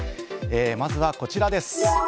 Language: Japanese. まずはこちらです。